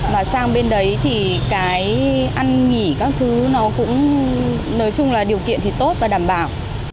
và sang bên đấy thì cái ăn nghỉ các thứ nó cũng nói chung là điều kiện thì tốt và đảm bảo